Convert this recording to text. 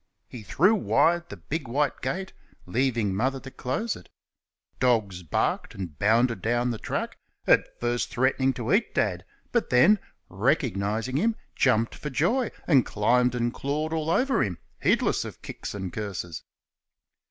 He threw wide the big white gate, leaving Mother to close it. Dogs barked and bounded down the track, at first threatening to eat Dad, but then, recognising him, jumped for joy, and climbed and clawed all over him, heedless of kicks and curses.